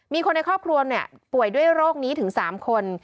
มีคนในครอบครัวป่วยด้วยโรคนี้ถึง๓คน